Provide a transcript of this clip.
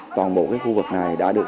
toàn bộ khu vực này đã được